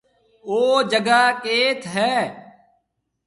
او جگھا ڪيٿ هيَ؟